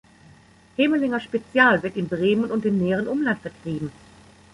Hemelinger Spezial wird in Bremen und dem näheren Umland vertrieben.